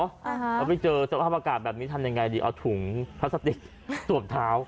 เขาไปเจอสภาพอากาศแบบนี้ทำยังไงดีเอาถุงพลาสติกสวมเท้า